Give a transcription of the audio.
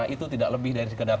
itu tidak lebih dari sekedar